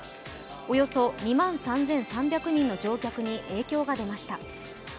およそ２万３３００人の乗客に影響が出ました。